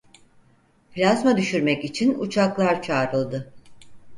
Plazma düşürmek için uçaklar çağrıldı.